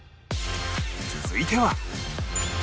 続いては